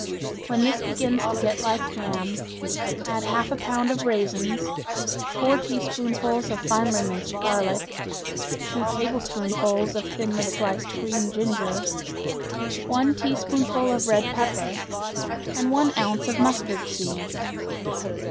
When this begins to get like jam, add half a pound of raisins, four teaspoonfuls of finely minced garlic, two tablespoonfuls of thinly sliced green ginger, one teaspoonful of red pepper, and one ounce of mustard seed.